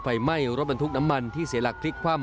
ไหม้รถบรรทุกน้ำมันที่เสียหลักพลิกคว่ำ